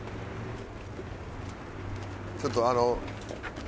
ちょっとあの。